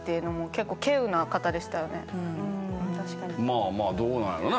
まあまあどうなんやろな？